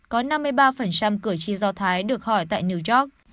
có năm mươi ba cử tri do thái được hỏi tại new york